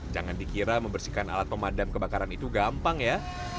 jangan dikira membersihkan alat pemadam kebakaran itu gampang ya